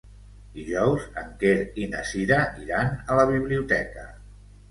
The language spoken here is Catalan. Dijous en Quer i na Cira iran a la biblioteca.